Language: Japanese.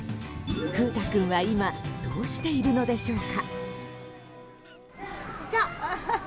風太くんは今、どうしているのでしょうか？